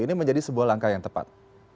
ini menjadi sebuah langkah yang tepat